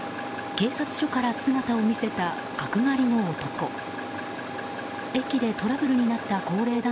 警察署から姿を見せた角刈りの男。